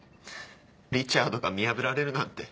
リチャードが見破られるなんて。